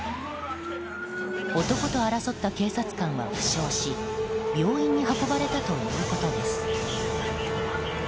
男と争った警察官は負傷し病院に運ばれたということです。